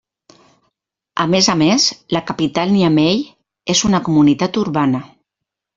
A més a més, la capital Niamey és una comunitat urbana.